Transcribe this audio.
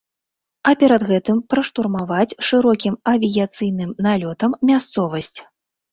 А перад гэтым праштурмаваць шырокім авіяцыйным налётам мясцовасць.